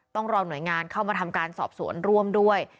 ต้องรอหน่วยงานเข้ามาทำการสอบสวนร่วมด้วย